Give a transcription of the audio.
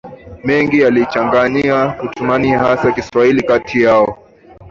mengi walichanganyikana wakitumia hasa Kiswahili kati yao